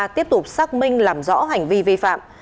tiếp tục xác minh làm rõ hành vi vi phạm